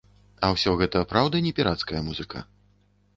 А ўсё гэта праўда не пірацкая музыка?